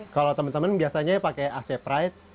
kalau teman teman biasanya pakai ac pride